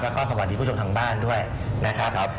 แล้วก็สวัสดีผู้ชมทางบ้านด้วยนะครับ